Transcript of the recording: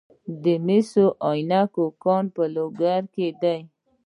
د مس عینک کان په لوګر کې دی